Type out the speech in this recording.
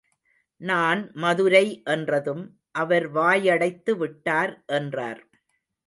நான் மதுரை என்றதும் அவர் வாயடைத்து விட்டார் என்றார்.